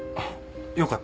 よかった。